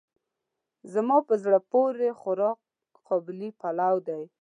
زما په زړه پورې خوراک قابلي پلو دی.